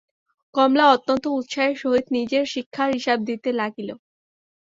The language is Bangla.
কমলা অত্যন্ত উৎসাহের সহিত নিজের শিক্ষার হিসাব দিতে লাগিল।